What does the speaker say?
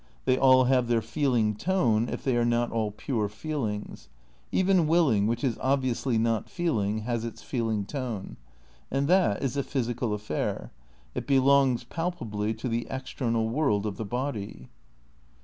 They all have their feeling tone, if they are not all pure feelings; even willing, which is obviously not feeling, has its feeling tone. . And that is a physical affair. It be longs, palpably, to the external world of the body.